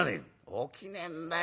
「起きねえんだよ。